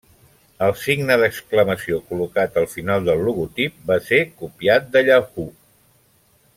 El signe d'exclamació col·locat al final del logotip va ser copiat de Yahoo!